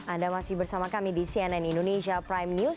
anda masih bersama kami di cnn indonesia prime news